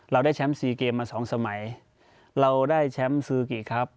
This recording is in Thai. เราได้แชมป์๔เกมมาสองสมัยเราได้แชมป์ซูกิครับ